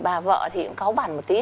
bà vợ thì cũng cáu bản một tí